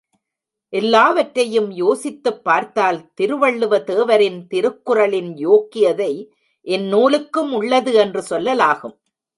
எல்லாவற்றையும் யோசித்துப் பார்த்தால் திருவள்ளுவ தேவரின் திருக்குறளின் யோக்கியதை இந்நூலுக்கும் உள்ளது என்று சொல்லலாகும்.